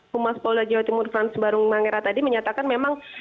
humas polda jawa timur frans barung mangera tadi menyatakan memang